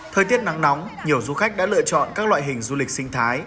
thời tiết nắng nóng nhiều du khách đã lựa chọn các loại hình du lịch sinh thái